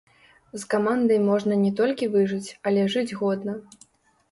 З камандай можна не толькі выжыць, але жыць годна.